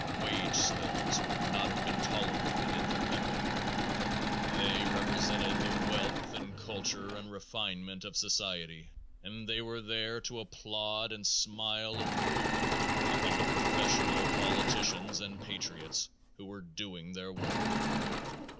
Wage slaves would not have been tolerated in their company. They represented the wealth and culture and refinement of society and they were there to applaud and smile approval upon the professional politicians and patriots who were doing their work.